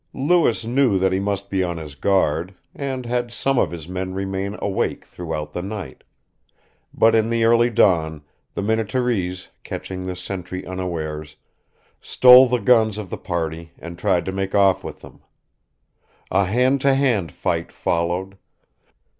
Lewis knew that he must be on his guard, and had some of his men remain awake throughout the night; but in the early dawn the Minnetarees, catching the sentry unawares, stole the guns of the party and tried to make off with them. A hand to hand fight followed.